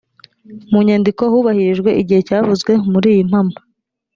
mu nyandiko hubahirijwe igihe cyavuzwe muri iyi mpamo